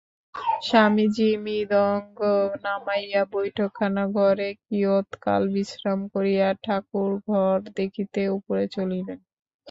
স্বামীজী মৃদঙ্গ নামাইয়া বৈঠকখানা-ঘরে কিয়ৎকাল বিশ্রাম করিয়া ঠাকুরঘর দেখিতে উপরে চলিলেন।